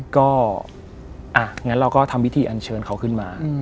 ก็งั้นเราก็ทำพิธีอันเชิญเขาขึ้นมา